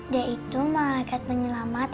dia itu malekat penyelamat